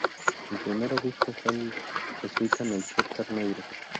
El primer obispo fue el jesuita Melchor Carneiro.